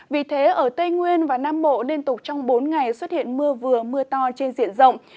vì thế ở tây nguyên và nam bộ liên tục trong bốn ngày xuất hiện mưa vừa mưa to trên diện rộng